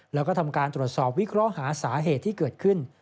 แล้วก็ทำการตรวจสอบวิเคราะห์หาสาเหตุที่เกิดขึ้น